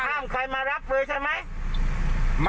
ห้ามใครมารับเลยใช่ไหม